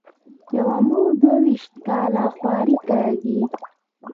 یوه مور دوه وېشت کاله خواري کاږي.